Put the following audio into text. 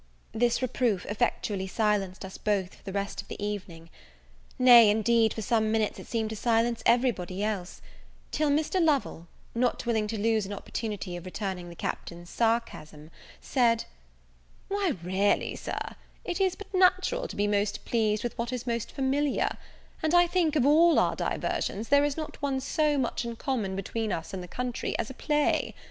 This reproof effectually silenced us both for the rest of the evening. Nay, indeed, for some minutes it seemed to silence every body else; till Mr. Lovel, not willing to lose an opportunity of returning the Captain's sarcasm, said, "Why, really Sir, it is but natural to be most pleased with what is most familiar; and, I think, of all our diversions, there is not one so much in common between us and the country as a play.